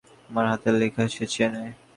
আমার হাতের লেখা সে চেনে।